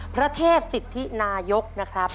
พระเทพสิทธินายกนะครับ